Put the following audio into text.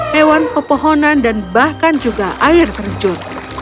hewan pepohonan dan bahkan juga air terjun